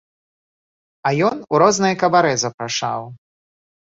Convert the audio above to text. А ён у розныя кабарэ запрашаў.